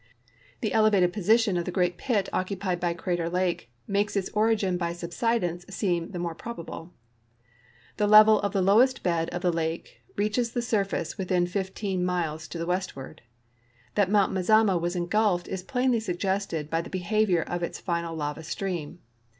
The elevated position of the great pit occupied by Crater lake makes its origin by subsidence seem the more probable. The level of the lowest bed of the lake reaches the surface within 15 miles to the westward. That Mount Mazama was engulfed is plainly suggested by the behavior of its final lava stream.